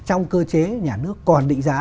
trong cơ chế nhà nước còn định giá